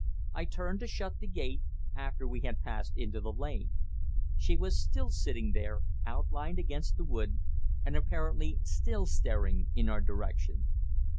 I turned to shut the gate, after we had passed into the lane; she was still sitting there, outlined against the wood and apparently still staring in our direction.